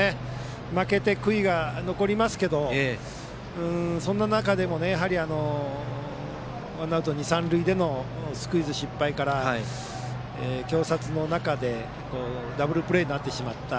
負けて悔いは残りますけどそんな中でもワンアウト二塁三塁スクイズ失敗から挟殺の中でダブルプレーになってしまった。